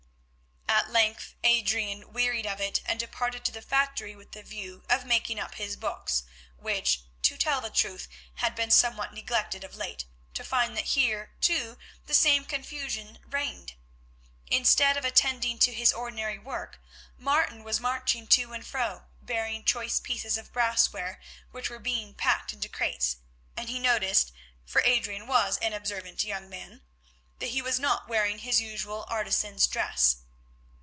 At length Adrian wearied of it and departed to the factory with the view of making up his books, which, to tell the truth, had been somewhat neglected of late, to find that here, too, the same confusion reigned. Instead of attending to his ordinary work, Martin was marching to and fro bearing choice pieces of brassware, which were being packed into crates, and he noticed, for Adrian was an observant young man, that he was not wearing his usual artisan's dress.